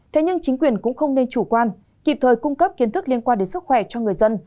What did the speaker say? thế nhưng chính quyền cũng không nên chủ quan kịp thời cung cấp kiến thức liên quan đến sức khỏe cho người dân